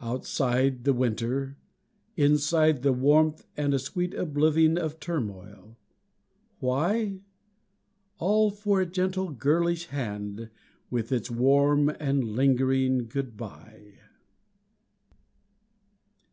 Outside, the winter; inside, the warmth And a sweet oblivion of turmoil. Why? All for a gentle girlish hand With its warm and lingering good bye.